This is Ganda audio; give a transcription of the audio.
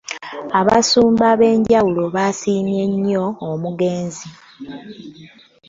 Abasumba ab'enjawulo basiimye nnyo omugenzi